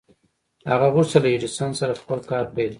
هغه غوښتل له ايډېسن سره خپل کار پيل کړي.